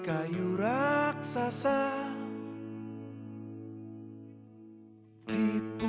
apa lagi kalau itu